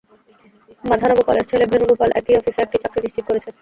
মাধানা গোপালের ছেলে ভেনুগোপাল একই অফিসে একটি চাকরি নিশ্চিত করেছে।